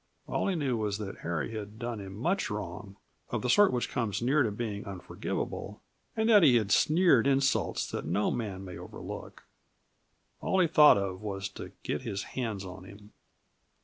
All he knew was that Harry had done him much wrong, of the sort which comes near to being unforgivable, and that he had sneered insults that no man may overlook. All he thought of was to get his hands on him.